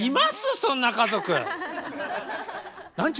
そんな家族。